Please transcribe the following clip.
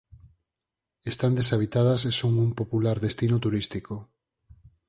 Están deshabitadas e son un popular destino turístico.